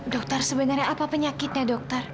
dokter sebenarnya apa penyakitnya dokter